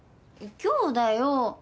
今日だよ。